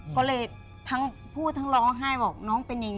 แม่แม่เป็นไรอะไรอย่างเงี้ย